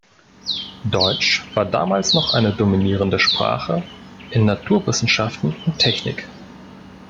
Deutsch war damals noch eine dominierende Sprache in Naturwissenschaften und Technik.